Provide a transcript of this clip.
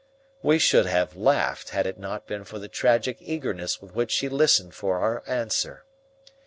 We should have laughed had it not been for the tragic eagerness with which she listened for our answer.